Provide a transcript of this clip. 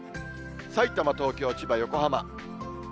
さいたま、東京、千葉、横浜。